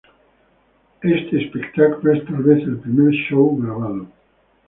Este espectáculo es tal vez el primer show grabado.